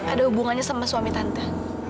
ada hubungannya sama suami tante